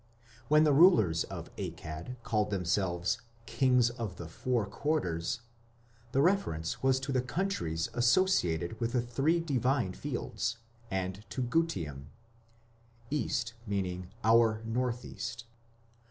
When the rulers of Akkad called themselves "kings of the four quarters", the reference was to the countries associated with the three divine fields and to Gutium(east = our north east).